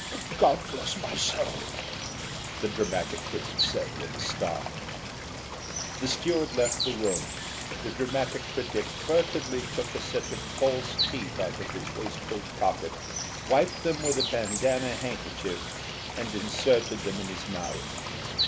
"God bless my soul," the dramatic critic said, with a start. The steward left the room. The dramatic critic furtively took a set of false teeth out of his waistcoat pocket; wiped them with a bandanna handkerchief, and inserted them in his mouth.